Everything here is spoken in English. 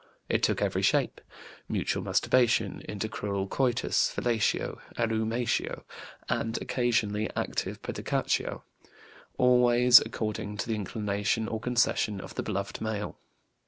It took every shape: mutual masturbation, intercrural coitus, fellatio, irrumatio, and occasionally active pedicatio; always according to the inclination or concession of the beloved male.